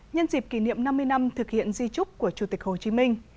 nhân dịp kỷ niệm năm mươi năm thực hiện di trúc của chủ tịch hồ chí minh